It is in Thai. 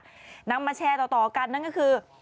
นำมาแชร์ต่อกันนั่นก็คือ